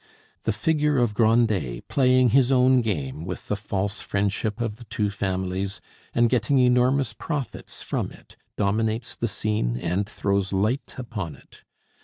The figure of Grandet, playing his own game with the false friendship of the two families and getting enormous profits from it, dominates the scene and throws light upon it.